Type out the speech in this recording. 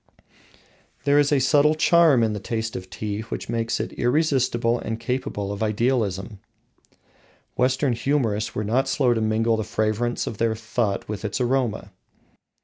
There is a subtle charm in the taste of tea which makes it irresistible and capable of idealisation. Western humourists were not slow to mingle the fragrance of their thought with its aroma.